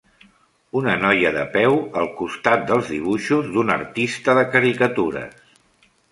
Una noia de peu al costat dels dibuixos d'un artista de caricatures.